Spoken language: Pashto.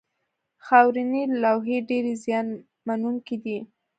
خاورینې لوحې ډېرې زیان منونکې دي.